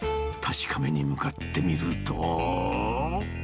確かめに向かってみると。